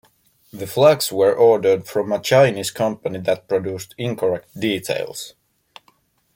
The flags were ordered from a Chinese company that produced incorrect details.